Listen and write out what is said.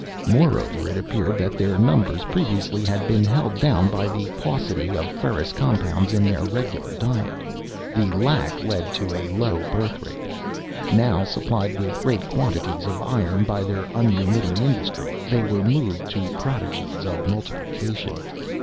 Moreover, it appeared that their numbers previously had been held down by the paucity of ferrous compounds in their regular diet. The lack led to a low birth rate. Now, supplied with great quantities of iron by their unremitting industry, they were moved to prodigies of multiplication.